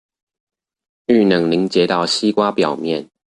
遇冷凝結到西瓜表面